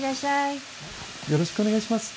よろしくお願いします。